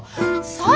そう？